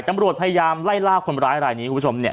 ตำรวจพยายามไล่ล่าคนร้ายรายนี้คุณผู้ชมเนี่ย